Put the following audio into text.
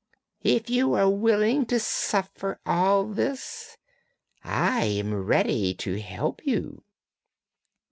If you are willing to suffer all this I am ready to help you!'